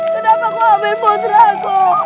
kenapa kau ambil putraku